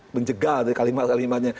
menjegal dari kalimat kalimatnya